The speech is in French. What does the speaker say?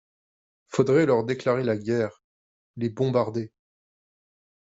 Faudrait leur déclarer la guerre, les bombarder